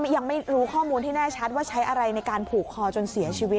ยังไม่รู้ข้อมูลที่แน่ชัดว่าใช้อะไรในการผูกคอจนเสียชีวิต